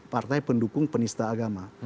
partai pendukung penista agama